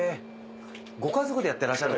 ご家族でやってらっしゃる？